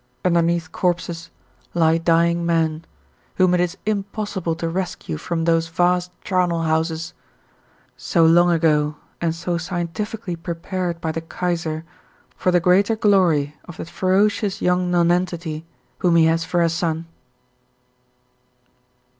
Underneath corpses lie dying men, whom it is impossible to rescue from those vast charnel houses, so long ago and so scientifically prepared by the Kaiser for the greater glory of that ferocious young nonentity whom he has for a son.